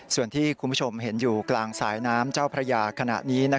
ส่วนที่คุณผู้ชมเห็นอยู่กลางสายน้ำเจ้าพระยาขณะนี้